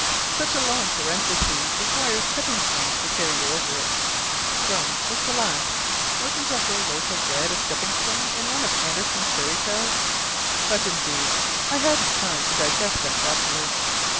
Such a long parenthesis requires stepping stones to carry you over it: "crumbs" was the last (wasn't a whole loaf of bread a stepping stone in one of Andersen's fairy tales?): but, indeed, I hadn't time to digest them properly.